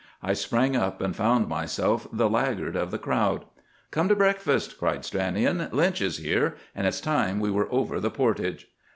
I sprang up, and found myself the laggard of the crowd. "Come to breakfast," cried Stranion. "Lynch is here, and it's time we were over the portage."